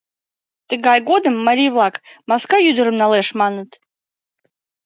— Тыгай годым марий-влак “Маска ӱдырым налеш!” маныт.